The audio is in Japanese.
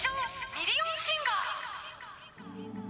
ミリオンシンガー・